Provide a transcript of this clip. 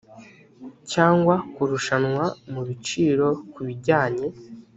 cyangwa kurushanwa mu biciro ku bijyanye